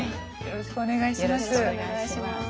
よろしくお願いします。